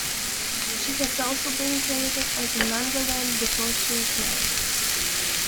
She has also been credited as Amanda Winn, before she was married.